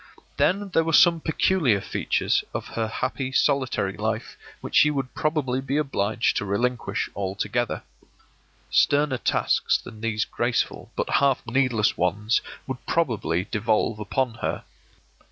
Then there were some peculiar features of her happy solitary life which she would probably be obliged to relinquish altogether. Sterner tasks than these graceful but half needless ones would probably devolve upon her.